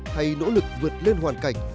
hay nỗ lực vượt lên hoàn cảnh